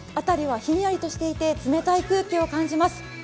辺りはひんやりとしていて冷たい空気を感じます。